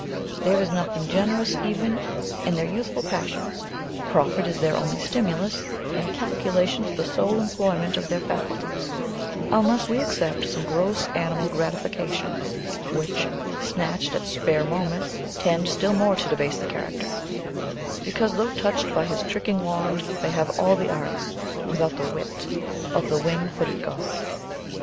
There is nothing generous even in their youthful passions; profit is their only stimulus, and calculations the sole employment of their faculties, unless we except some gross animal gratifications which, snatched at spare moments, tend still more to debase the character, because, though touched by his tricking wand, they have all the arts, without the wit, of the wing footed god."